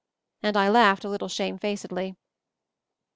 and I laughed a lit tle shamefacedly.